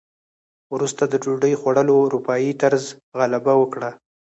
وروسته د ډوډۍ خوړلو اروپايي طرز غلبه وکړه.